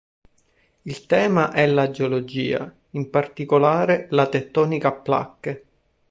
Il tema è la geologia, in particolare la tettonica a placche.